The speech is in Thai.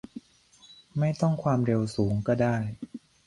ไม่ต้องความเร็วสูงก็ได้